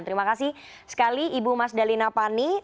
terima kasih sekali ibu mas dalina pani